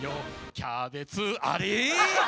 キャベツあれ？